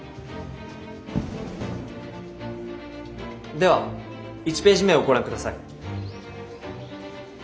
では１ページ目をご覧ください。